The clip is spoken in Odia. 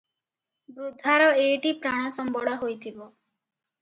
ବୃଦ୍ଧାର ଏଇଟି ପ୍ରାଣସମ୍ବଳ ହୋଇଥିବ ।